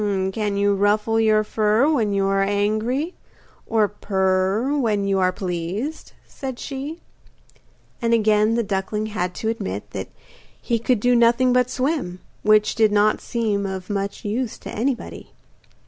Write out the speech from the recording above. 'Can you ruffle your fur when you are angry, or purr when you are pleased?' said she. And again the duckling had to admit that he could do nothing but swim, which did not seem of much use to anybody.